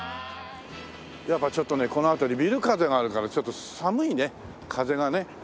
やっぱちょっとねこの辺りビル風があるからちょっと寒いね風がね。